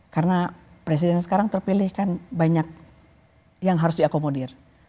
karena presiden sekarang terpilih kan banyak yang harus diakomodir